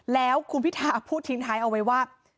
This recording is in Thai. แล้วคุณพิธาพูดทิ้งท้ายเอาไว้ว่า